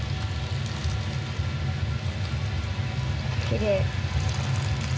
きれい。